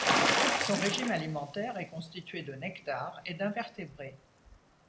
Son régime alimentaire est constitué de nectar et d'invertébrés.